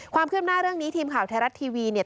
ความคืบหน้าเรื่องนี้ทีมข่าวไทยรัฐทีวีเนี่ย